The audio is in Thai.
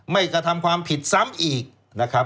กระทำความผิดซ้ำอีกนะครับ